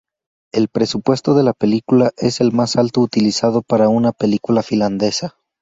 El presupuesto de la película es el más alto utilizado para una película finlandesa.